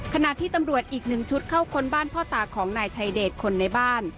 ขณะที่ตำรวจอีกหนึ่งชุดเข้าค้นบ้านพ่อตาของนายชัยเดชคนในบ้าน